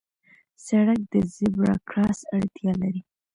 سړک د زېبرا کراس اړتیا لري.